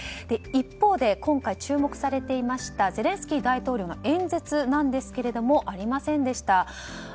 一方で、今回注目されていましたゼレンスキー大統領の演説ですがありませんでした。